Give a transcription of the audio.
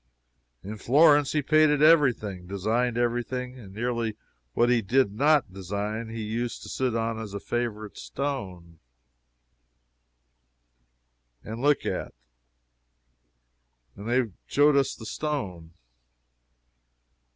In Florence, he painted every thing, designed every thing, nearly, and what he did not design he used to sit on a favorite stone and look at, and they showed us the stone.